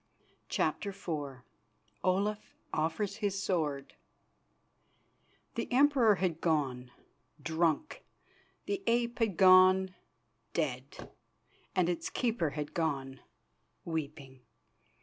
CHAPTER IV OLAF OFFERS HIS SWORD The Emperor had gone, drunk; the ape had gone, dead; and its keeper had gone, weeping.